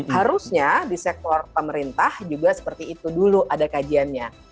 harusnya di sektor pemerintah juga seperti itu dulu ada kajiannya